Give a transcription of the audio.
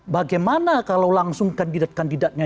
bagaimana kalau langsung kandidat kandidatnya